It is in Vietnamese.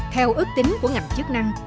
theo ước tính của ngành chức năng